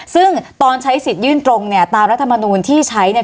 ซึ่งตอนใช้สิทธิ์ยื่นตรงเนี่ยตามรัฐมนูลที่ใช้เนี่ย